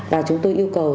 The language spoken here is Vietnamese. và chúng tôi yêu cầu